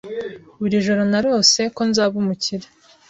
Buri joro narose, ko nzaba umukire